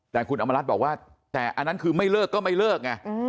แต่คุณอำมารัฐบอกว่าแต่อันนั้นคือไม่เลิกก็ไม่เลิกไง